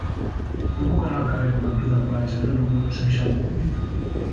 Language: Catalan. Com puc anar al carrer de Ventura Plaja número seixanta-vuit?